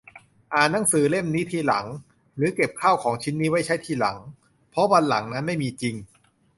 อ่านหนังสือเล่มนี้ทีหลัง หรือเก็บข้าวของชิ้นนี้ไว้ใช้ทีหลัง เพราะวันหลังนั้นไม่มีจริง